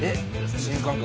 新感覚。